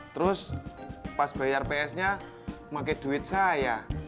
terus pas bayar psnya pake duit saya